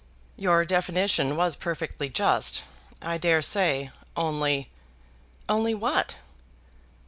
"Your definition was perfectly just, I dare say, only " "Only what?"